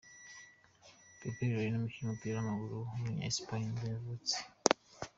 Pepe Reina, umukinnyi w’umupira w’amaguru w’umunya Espagne nibwo yavutse.